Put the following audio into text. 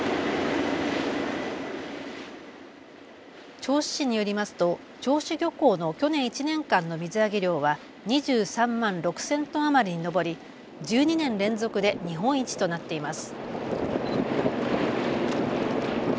銚子市によりますと銚子漁港の去年１年間の水揚げ量は２３万６０００トン余りに上り１２年連続で日本一となっています。